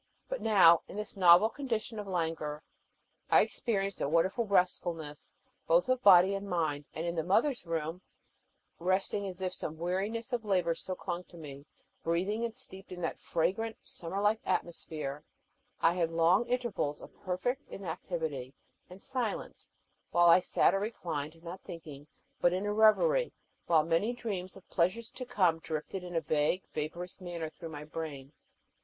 But now, in this novel condition of languor, I experienced a wonderful restfulness both of body and mind, and in the Mother's Room, resting as if some weariness of labor still clung to me, breathing and steeped in that fragrant, summer like atmosphere, I had long intervals of perfect inactivity and silence, while I sat or reclined, not thinking but in a reverie, while many dreams of pleasures to come drifted in a vague, vaporous manner through my brain.